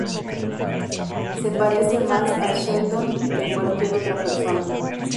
Se parece más a Sheldon que cualquier otra persona.